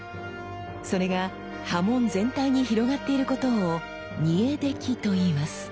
それが刃文全体に広がっていることを「沸出来」といいます。